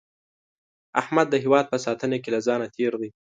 احمد د هیواد په ساتنه کې له ځانه تېر دی.